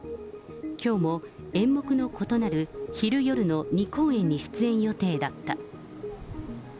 きょうも演目の異なる昼夜の２公演に出演予定だった。